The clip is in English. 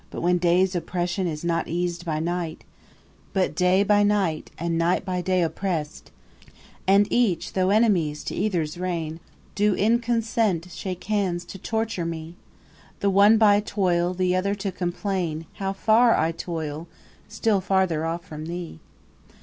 When day's oppression is not eas'd by night, But day by night and night by day oppress'd, And each, though enemies to either's reign, Do in consent shake hands to torture me, The one by toil, the other to complain How far I toil, still farther off from thee.